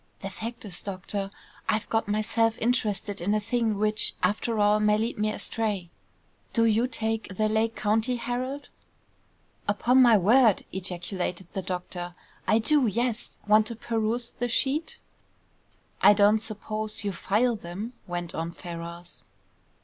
"The fact is, doctor, I've got myself interested in a thing which, after all, may lead me astray. Do you take the Lake County Herald?" "Upon my word!" ejaculated the doctor. "I do; yes. Want to peruse the sheet?" "I don't suppose you file them?" went on Ferrars.